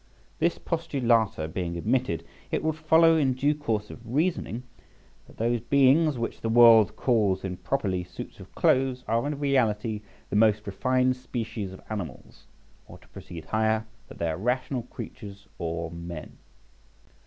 These postulata being admitted, it will follow in due course of reasoning that those beings which the world calls improperly suits of clothes are in reality the most refined species of animals, or to proceed higher, that they are rational creatures or men.